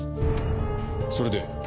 それで？